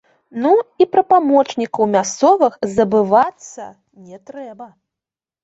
Ну, і пра памочнікаў мясцовых забывацца не трэба.